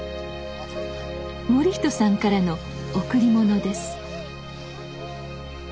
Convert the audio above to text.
盛人さんからの贈り物です。